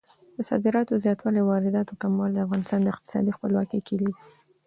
د صادراتو زیاتوالی او د وارداتو کموالی د افغانستان د اقتصادي خپلواکۍ کیلي ده.